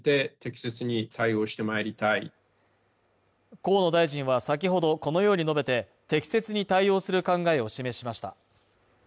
河野大臣は先ほど、このように述べて適切に対応する考えを示しました。